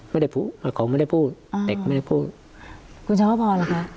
ไม่ได้พูดแต่เขาไม่ได้พูดอ่าเด็กไม่ได้พูดคุณเช้าพ่อแล้วค่ะ